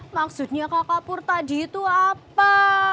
maksudnya kakak pur tadi itu apa